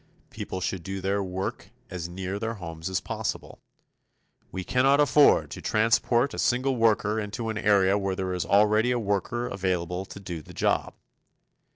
People should do their work as near their homes as possible. We cannot afford to transport a single worker into an area where there is already a worker available to do the job.